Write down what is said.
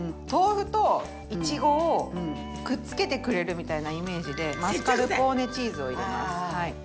豆腐といちごをくっつけてくれるみたいなイメージでマスカルポーネチーズを入れます。